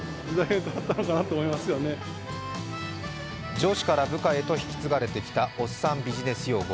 上司から部下へと引き継がれてきた、おっさんビジネス用語。